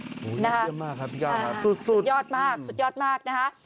โอ้โหน่าเยี่ยมมากครับพี่ก้าวครับสุดยอดมากสุดยอดมากนะคะ